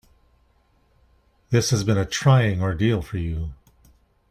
This has been a trying ordeal for you.